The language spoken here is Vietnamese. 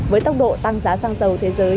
với tốc độ tăng giá xăng dầu thế giới